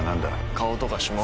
顔とか指紋？